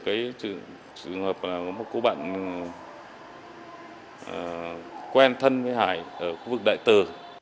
cái trường hợp của một cô bạn quen thân với hải ở khu vực đại tờ